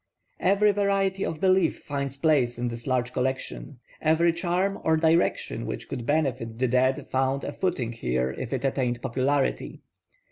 Every variety of belief finds place in this large collection; every charm or direction which could benefit the dead found a footing here if it attained popularity.